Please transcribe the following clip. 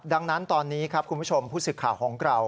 ดังนั้นตอนนี้ครับคุณผู้ชมผู้สื่อข่าวของเรา